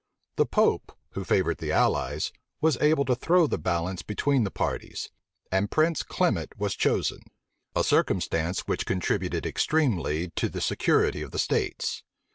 The pope, who favored the allies, was able to throw the balance between the parties, and Prince Clement was chosen; a circumstance which contributed extremely to the security of the states.